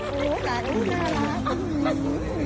โอ้โฮน่ารัก